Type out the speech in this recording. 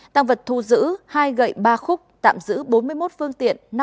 tăng vật thu giữ hai gậy ba khúc tạm giữ bốn mươi một phương tiện